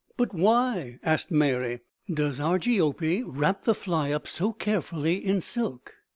"But why," asked Mary, "does Argiope wrap the fly up so carefully in silk?